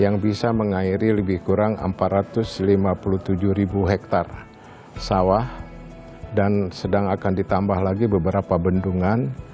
yang bisa mengairi lebih kurang empat ratus lima puluh tujuh ribu hektare sawah dan sedang akan ditambah lagi beberapa bendungan